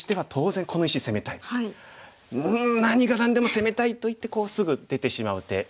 うん何が何でも攻めたいといってすぐ出てしまう手。